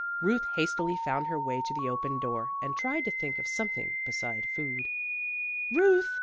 Ruth hastily found her way to the open door, and tried to think of something beside food. "Ruth!"